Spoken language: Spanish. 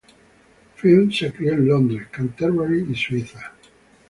Field se crio en Londres, Canterbury y Suiza.